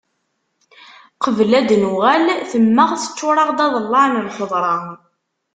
Qbel ad d-nuɣal temmeɣ teččur-aɣ-d aḍellaɛ n lxeḍra.